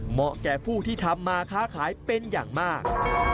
เหมาะแก่ผู้ที่ทำมาค้าขายเป็นอย่างมาก